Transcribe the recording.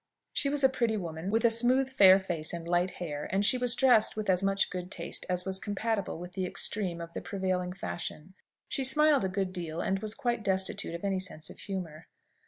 She was a pretty woman, with a smooth fair face and light hair, and she was dressed with as much good taste as was compatible with the extreme of the prevailing fashion. She smiled a good deal, and was quite destitute of any sense of humour.